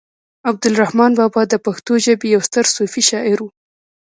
عبد الرحمان بابا د پښتو ژبې يو ستر صوفي شاعر و